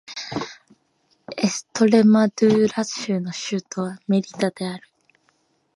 エストレマドゥーラ州の州都はメリダである